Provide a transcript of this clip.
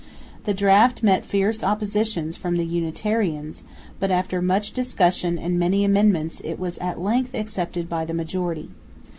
The draft met fierce opposition from the unitarians, but after much discussion and many amendments it was at length accepted by the majority.